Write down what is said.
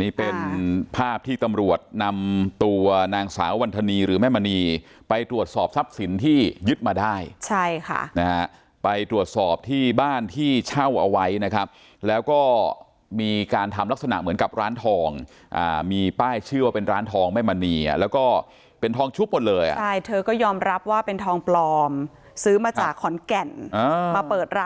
นี่เป็นภาพที่ตำรวจนำตัวนางสาววันธนีหรือแม่มณีไปตรวจสอบทรัพย์สินที่ยึดมาได้ใช่ค่ะนะฮะไปตรวจสอบที่บ้านที่เช่าเอาไว้นะครับแล้วก็มีการทำลักษณะเหมือนกับร้านทองมีป้ายชื่อว่าเป็นร้านทองแม่มณีแล้วก็เป็นทองชุบหมดเลยอ่ะใช่เธอก็ยอมรับว่าเป็นทองปลอมซื้อมาจากขอนแก่นมาเปิดร้าน